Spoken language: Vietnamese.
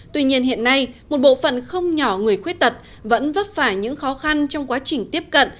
tuy nhiên hiện nay một bộ phận không nhỏ người khuyết tật vẫn vấp phải những khó khăn trong quá trình tiếp cận